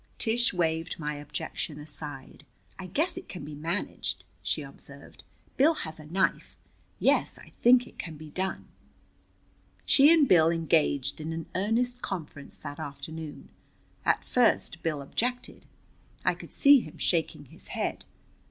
Tish waved my objection aside. "I guess it can be managed," she observed. "Bill has a knife. Yes, I think it can be done." She and Bill engaged in an earnest conference that afternoon. At first Bill objected. I could see him shaking his head.